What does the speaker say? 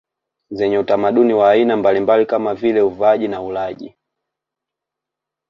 zenye utamaduni wa aina mbalimbali kama vile uvaaji na ulaji